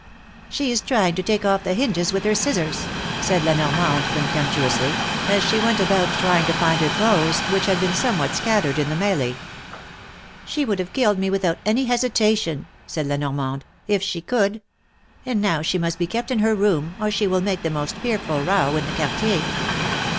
^^She is trying to take ofi* the hinges with her scissors," 292 THE MARKETS OP PARIS. said La Normande, contemptuously, as she went about trying to find her clothes, which had been somewhat scattered in the m§l4e. *^She would have killed me without any hesitation, said La Normande, if she could ; and now she must be kept in her room, or she will make the most fearful row in the Quartier.